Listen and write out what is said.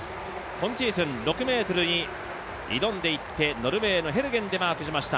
今シーズン６ｍに挑んでいってノルウェーでマークしました